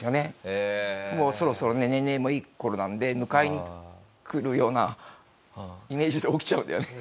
もうそろそろね年齢もいい頃なので迎えに来るようなイメージで起きちゃうんだよね。